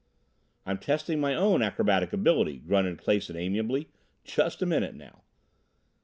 "I'm testing my own acrobatic ability," grunted Clason amiably. "Just a minute now."